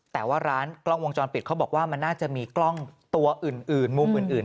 แต่ว่าร้านกล้องวงจรปิดเขาบอกว่ามันน่าจะมีกล้องตัวอื่นมุมอื่น